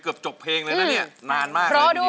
เกือบจบเพลงเลยนะเนี่ยนานมากเลยทีเดียว